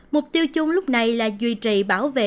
mục tiêu chung lúc này là duy trì bảo vệ